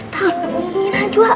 tak gila juga